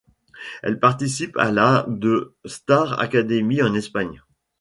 Elle participe à la de Star Academy en Espagne.